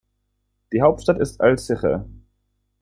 Die Hauptstadt ist Achalziche.